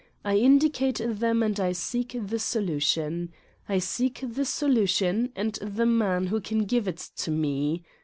I indicate them, and I seek the solution. I seek the solution and the man who can give it to me.